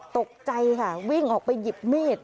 ตกใจค่ะวิ่งออกไปหยิบมีด